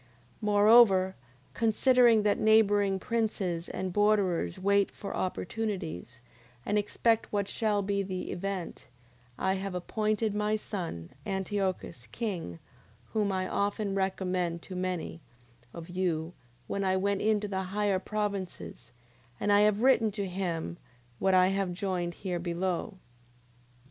9:25. Moreover, considering that neighbouring princes, and borderers, wait for opportunities, and expect what shall be the event, I have appointed my son, Antiochus, king, whom I often recommended to many of you, when I went into the higher provinces: and I have written to him what I have joined here below.